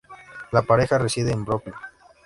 La pareja reside en Brooklyn.